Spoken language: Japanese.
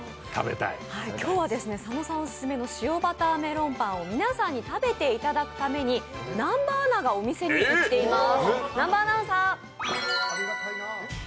今日は佐野さんオススメの塩バターメロンパンを皆さんに食べていただくために南波アナがお店に行っています。